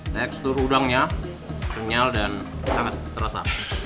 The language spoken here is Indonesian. tekstur udangnya kenyal dan sangat terasa